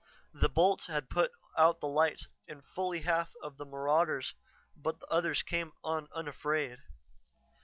The bolts had put out the lights in fully half of the marauders but the others came on unafraid.